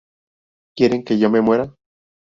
Quieren que yo me muera.